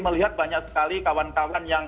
melihat banyak sekali kawan kawan yang